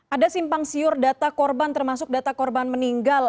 ada simpang siur data korban termasuk data korban meninggal